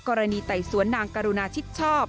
กรณีไต้สวนนางกรุณาชิดชอบ